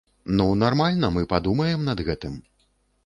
Ну, нармальна, мы падумаем над гэтым.